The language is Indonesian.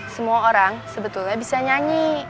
semua orang sebetulnya bisa nyanyi